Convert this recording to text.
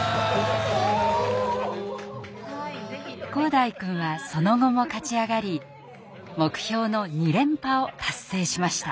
紘大くんはその後も勝ち上がり目標の２連覇を達成しました。